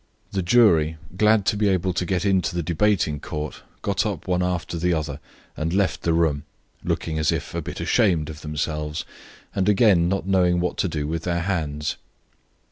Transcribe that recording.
The jury, glad to be able to get into the debating court, got up one after the other and left the room, looking as if a bit ashamed of themselves and again not knowing what to do with their hands.